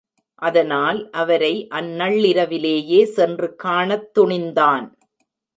அதனால் அவரை அந்நள்ளிரவிலேயே சென்று காணத்துணிந்தான்.